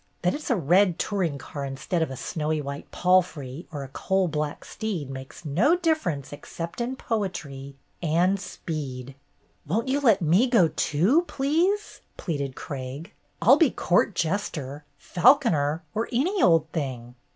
That it 's a red touring car instead of a snow white palfrey or a coal black steed makes no difference except in poetry — and speed 1" "Won't you let me go, too, please?" pleaded Craig. "I 'll be court jester, falconer, or any old thing."